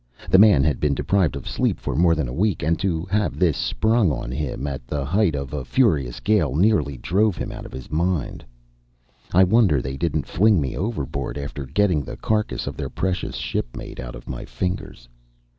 The man had been deprived of sleep for more than a week, and to have this sprung on him at the height of a furious gale nearly drove him out of his mind. I wonder they didn't fling me overboard after getting the carcass of their precious shipmate out of my fingers.